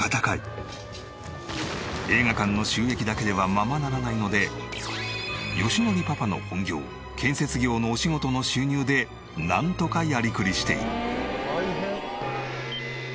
映画館の収益だけではままならないので義典パパの本業建設業のお仕事の収入でなんとかやりくりしている。